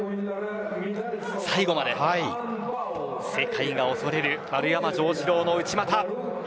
最後まで、世界が恐れる丸山城志郎の内股。